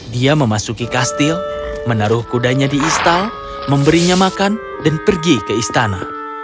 dia memasuki kastil menaruh kudanya di istal memberinya makan dan pergi ke istana